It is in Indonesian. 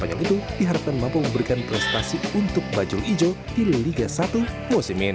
dan ini adalah perkembangan pemain indonesia yang pernah berkesempatan menimba ilmu di eropa bersama espanol